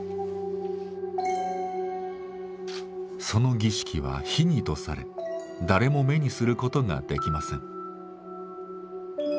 その儀式は秘儀とされ誰も目にすることができません。